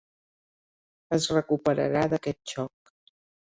Es recuperarà d'aquest xoc.